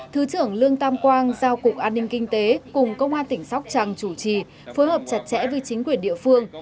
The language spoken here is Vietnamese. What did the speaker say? thứ trưởng lương tam quang giao cục an ninh kinh tế cùng công an tỉnh sóc trăng chủ trì phối hợp chặt chẽ với chính quyền địa phương